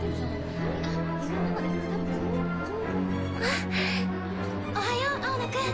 あっおはよう青野くん！